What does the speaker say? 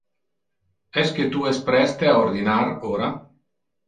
Esque tu es preste a ordinar ora?